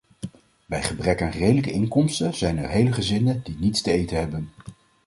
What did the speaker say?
Bij gebrek aan redelijke inkomsten zijn er hele gezinnen die niets te eten hebben.